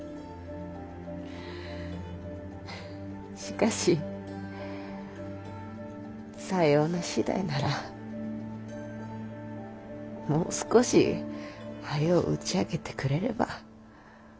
しかしさような次第ならもう少しはよう打ち明けてくれれば。